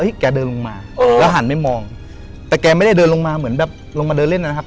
แกเดินลงมาแล้วหันไปมองแต่แกไม่ได้เดินลงมาเหมือนแบบลงมาเดินเล่นนะครับ